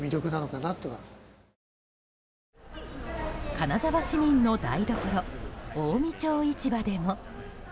金沢市民の台所近江町市場でも。